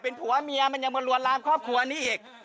เป็นผัวเมียมันยังรวนรามครอบครัวนี้อีก